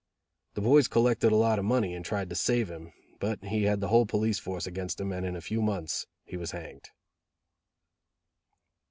The boys collected a lot of money and tried to save him, but he had the whole police force against him and in a few months he was hanged.